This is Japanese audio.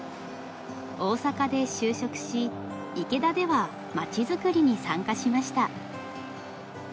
大阪で就職し池田ではまちづくりに参加しました。